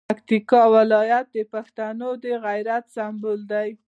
پکتیکا ولایت د پښتنو د غیرت سمبول دی.